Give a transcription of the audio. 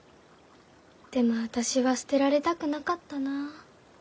でも私は捨てられたくなかったな。